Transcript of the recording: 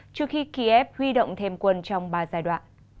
trước khi kiev huy động thêm quân trong ba giai đoạn